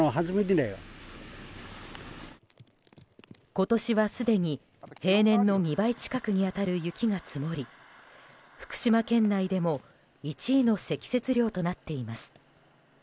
今年はすでに平年の２倍近くに当たる雪が積もり福島県内でも１位の積雪量となっています。